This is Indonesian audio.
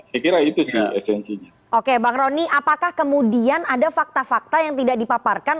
saya kira itu sih esensinya oke bang rony apakah kemudian ada fakta fakta yang tidak dipaparkan